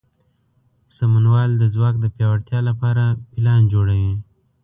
سمونوال د ځواک د پیاوړتیا لپاره پلان جوړوي.